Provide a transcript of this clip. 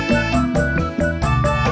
gak bakal dikasih tau